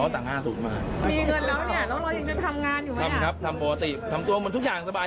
ทำครับทำปกติทำตัวเหมือนทุกอย่างสบาย